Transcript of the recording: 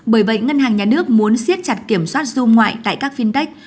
bởi vậy ngân hàng nhà nước muốn siết chặt kiểm soát zoom ngoại tại các fintech